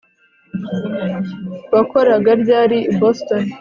wakoraga ryari i boston